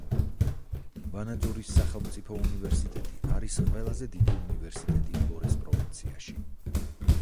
ვანაძორის სახელმწიფო უნივერსიტეტი არის ყველაზე დიდი უნივერსიტეტი ლორეს პროვინციაში.